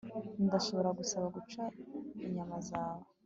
ndashobora gusaba guca inyama zawe